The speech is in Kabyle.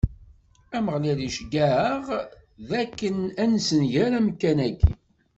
Ameɣlal iceggeɛ-aɣ-d akken ad nessenger amkan-agi.